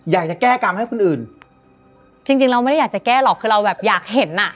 อยากจะแก้กรรมให้คนอื่นจริงจริงเราไม่ได้อยากจะแก้หรอกคือเราแบบอยากเห็นอ่ะ